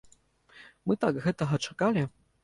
Мы так гэтага чакалі.